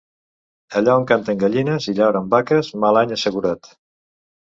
Allà on canten gallines i llauren vaques, mal any assegurat.